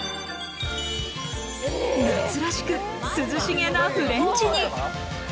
夏らしく涼しげなフレンチに。